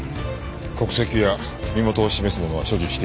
国籍や身元を示すものは所持していない。